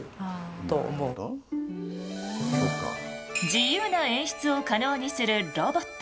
自由な演出を可能にするロボット。